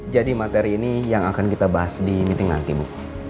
jadi materi ini yang akan kita bahas di meeting nanti bu